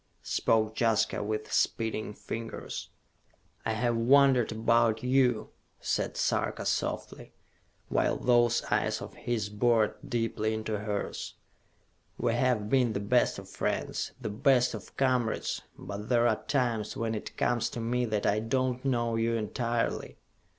spoke Jaska with speeding fingers. "I have wondered about you," said Sarka softly, while those eyes of his bored deeply into hers. "We have been the best of friends, the best of comrades; but there are times when it comes to me that I do not know you entirely!